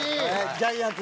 ジャイアンツ。